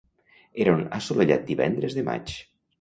Era un assolellat divendres de maig.